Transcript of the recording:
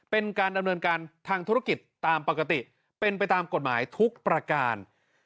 เป็นการดำเนินการทางธุรกิจตามปกติเป็นไปตามกฎหมายทุกประการ